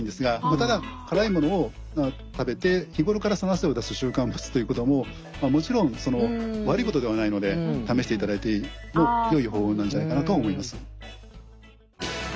ただ辛いものを食べて日頃からその汗を出す習慣を持つということももちろん悪いことではないので試していただいてもよい方法なんじゃないかなとは思います。